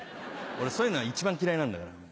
俺そういうの一番嫌いなんだから。